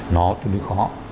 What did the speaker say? nó tương đối khó